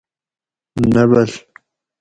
نبل